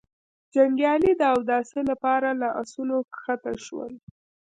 جنګيالي د اوداسه له پاره له آسونو کښته شول.